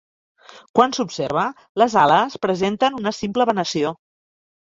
Quan s'observa, les ales presenten una simple venació.